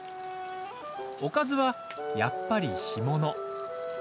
おかずは、やっぱり干物。